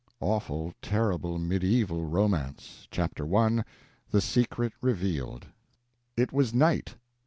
AWFUL, TERRIBLE MEDIEVAL ROMANCE CHAPTER I. THE SECRET REVEALED. It was night.